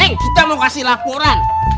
kita mau kasih laporan